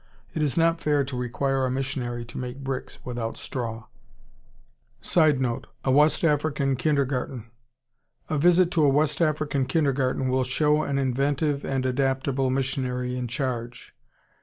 It is not fair to require a missionary to make bricks without straw. [Sidenote: A West African kindergarten.] A visit to a West African Kindergarten will show an inventive and adaptable missionary in charge.